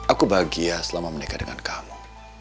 aku bahagia selama menikah dengan kamu